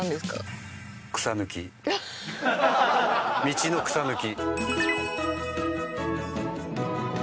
道の草抜き。